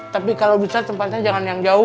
tapi kalau bisa tempatnya jangan yang jauh